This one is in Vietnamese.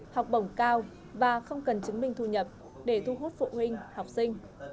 học bổng cao và không cần chứng minh thu nhập để thu hút phụ huynh học sinh